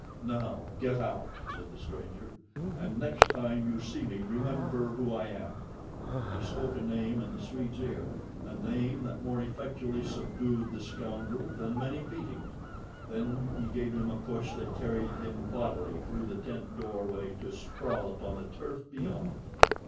"Now get out," said the stranger, "and next time you see me remember who I am," and he spoke a name in the Swede's ear—a name that more effectually subdued the scoundrel than many beatings—then he gave him a push that carried him bodily through the tent doorway to sprawl upon the turf beyond.